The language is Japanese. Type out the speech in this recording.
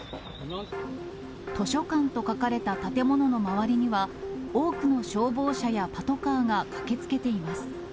図書館と書かれた建物の周りには、多くの消防車やパトカーが駆けつけています。